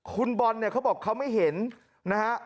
คุณบอลเนี่ยเขาบอกเขาไม่เห็นนะฮะ